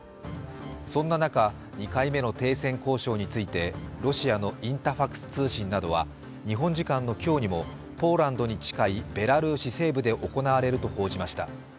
そんな中、２回目の停戦交渉についてロシアのインタファクス通信などは日本時間の今日にもポーランドに近いベラルーシ西部で行われると報じました。